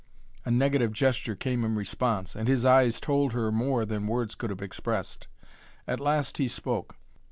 A negative gesture came in response, and his eyes told her more than words could have expressed. At last he spoke.